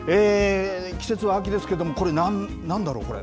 季節は秋ですけれども、これ、なんだろう、これ。